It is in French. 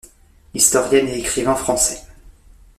Historienne et écrivain français.